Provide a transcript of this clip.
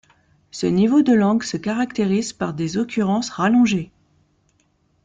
Ce niveau de langue se caractérise par des occurrences rallongées.